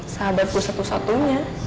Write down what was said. sahabat gue satu satunya